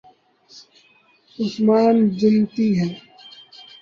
عثمان جنتی ہیں